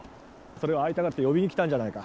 それを会いたがって呼びに来たんじゃないか。